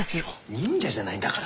忍者じゃないんだから。